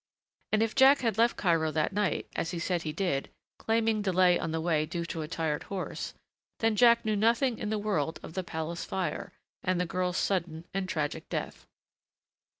And if Jack had left Cairo that night, as he said he did claiming delay on the way due to a tired horse then Jack knew nothing in the world of the palace fire, and the girl's sudden and tragic death.